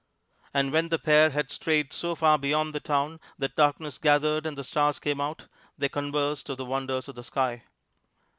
And when the pair had strayed so far beyond the town that darkness gathered and the stars came out, they conversed of the wonders of the sky.